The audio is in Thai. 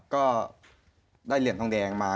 ก็ได้เหรียญทองแดงมา